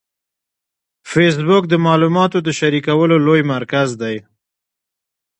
فېسبوک د معلوماتو د شریکولو لوی مرکز دی